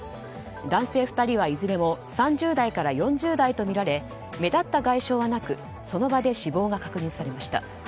男性２人はいずれも３０代から４０代とみられ目立った外傷はなくその場で死亡が確認されました。